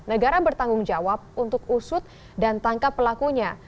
negara bertanggung jawab untuk usut dan tangkap pelakunya